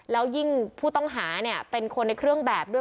แล้วยิ่งผู้ต้องหาเนี่ยเป็นคนในเครื่องแบบด้วย